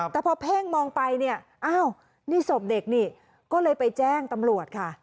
แต่พอเพ่งมองไปเนี่ยอ้าวนี่ศพเด็กนี่ก็เลยไปแจ้งตำรวจค่ะ